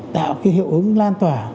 tạo hiệu ứng lan tỏa